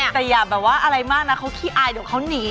แต่อย่าอะไรมากเราเค้าขี้อายเดี๋ยวเค้าหนี